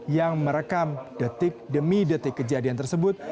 yang merekam detik demi detik kejadian tersebut